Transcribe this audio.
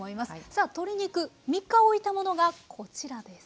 さあ鶏肉３日おいたものがこちらです。